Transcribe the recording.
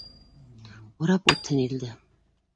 Урап үтһен илде